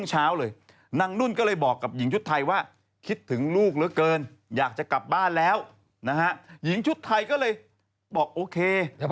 หญิงชุดไทยก็เลยบอกโอเค